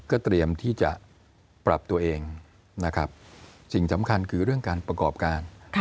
เตรียมที่จะปรับตัวเองนะครับสิ่งสำคัญคือเรื่องการประกอบการ